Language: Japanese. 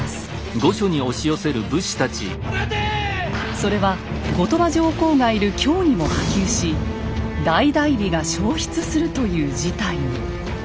それは後鳥羽上皇がいる京にも波及し大内裏が焼失するという事態に。